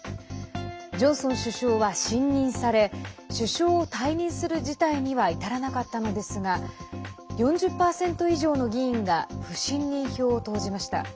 ジョンソン首相は信任され首相を退任する事態には至らなかったのですが４０％以上の議員が不信任票を投じました。